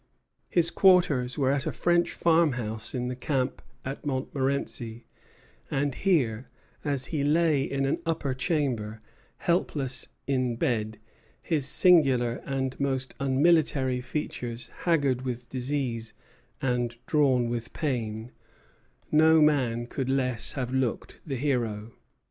His quarters were at a French farmhouse in the camp at Montmorenci; and here, as he lay in an upper chamber, helpless in bed, his singular and most unmilitary features haggard with disease and drawn with pain, no man could less have looked the hero.